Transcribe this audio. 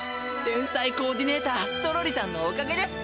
天才コーディネーターゾロリさんのおかげです。